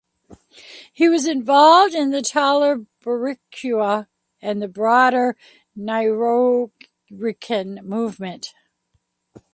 He was involved in the Taller Boricua and the broader Nuyorican movement.